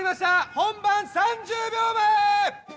本番３０秒前！